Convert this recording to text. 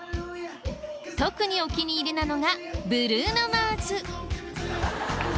特にお気に入りなのがブルーノ・マーズ。